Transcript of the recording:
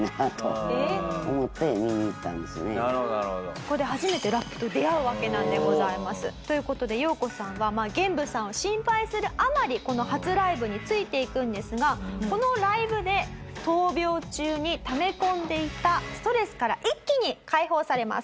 ここで初めてラップと出会うわけなんでございます。という事でヨウコさんはゲンブさんを心配するあまりこの初ライブについていくんですがこのライブで闘病中にため込んでいたストレスから一気に解放されます。